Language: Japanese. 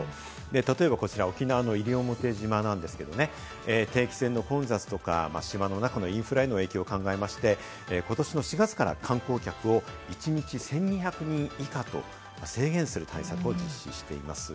例えばこちら、沖縄の西表島ですけれども、定期船の混雑とか、島の中のインフラへの影響を考えまして、ことしの４月から観光客を一日１２００人以下と制限する対策を実施しています。